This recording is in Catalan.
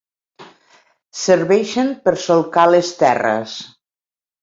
Serveixen per solcar les terres.